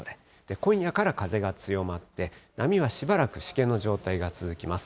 今夜から風が強まって、波はしばらくしけの状態が続きます。